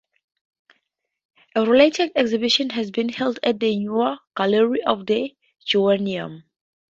A related exhibition has been held at the Neue Galerie of the Joanneum.